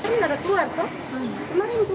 ini nggak ada keluar kok